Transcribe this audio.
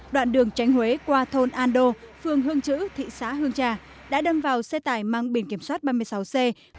đoạn đường tránh huế qua thôn an đô phường hương chữ thị xã hương trà đã đâm vào xe tải mang biển kiểm soát ba mươi sáu c